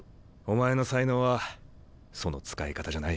お前の才能はその使い方じゃない。